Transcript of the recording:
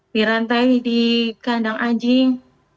di rantai di kandang anjing